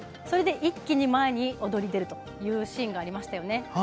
それで一気に前に躍り出るというシーンがありましたよね。